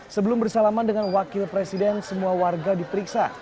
sebelum bersalaman dengan wakil presiden semua warga diperiksa